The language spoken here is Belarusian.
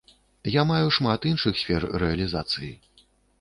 Я маю шмат іншых сфер рэалізацыі.